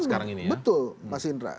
nah sekarang kan betul mas indra